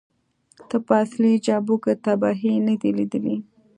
تا په اصلي جبهو کې تباهۍ نه دي لیدلې